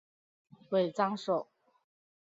尾张守。